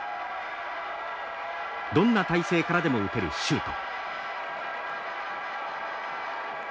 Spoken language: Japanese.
どんな体勢からでも打てるシュート。